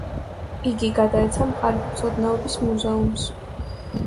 იგი გადაეცა მხარეთმცოდნეობის მუზეუმს.